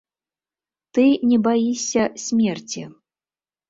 Ты не баішся смерці.